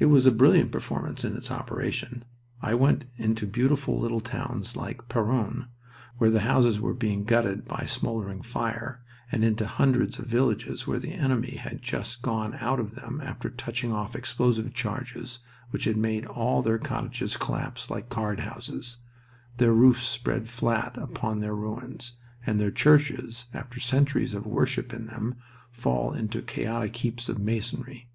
I saw the brilliant performance in its operation. I went into beautiful little towns like Peronne, where the houses were being gutted by smoldering fire, and into hundreds of villages where the enemy had just gone out of them after touching off explosive charges which had made all their cottages collapse like card houses, their roofs spread flat upon their ruins, and their churches, after centuries of worship in them, fall into chaotic heaps of masonry.